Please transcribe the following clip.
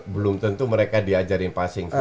belum tentu mereka diajarin passing